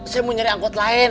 saya mau nyari angkot lain